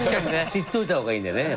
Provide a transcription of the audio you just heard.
知っといた方がいいんだよね